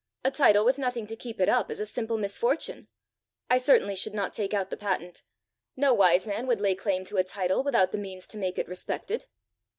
"A title with nothing to keep it up is a simple misfortune. I certainly should not take out the patent. No wise man would lay claim to a title without the means to make it respected."